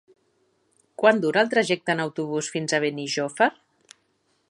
Quant dura el trajecte en autobús fins a Benijòfar?